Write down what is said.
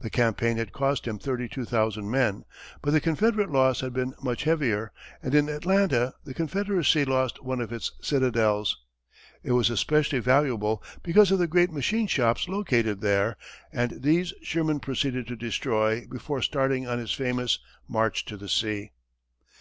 The campaign had cost him thirty two thousand men, but the Confederate loss had been much heavier, and in Atlanta the Confederacy lost one of its citadels. It was especially valuable because of the great machine shops located there, and these Sherman proceeded to destroy before starting on his famous "march to the sea."